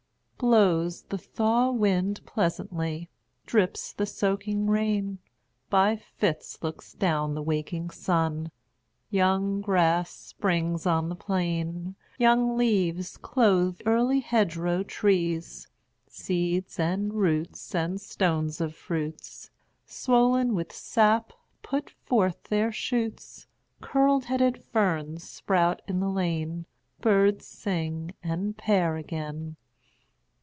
Blows the thaw wind pleasantly, Drips the soaking rain, By fits looks down the waking sun: Young grass springs on the plain; Young leaves clothe early hedgerow trees; Seeds, and roots, and stones of fruits, Swollen with sap, put forth their shoots; Curled headed ferns sprout in the lane; Birds sing and pair again.